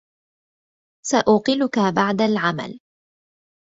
سأقلك بعد العمل.